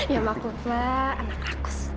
ya maksudnya anak rakus